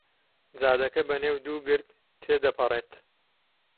جادەکە بەنێو دوو گرد تێ دەپەڕێت.